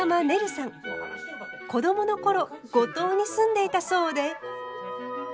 子供の頃五島に住んでいたそうで。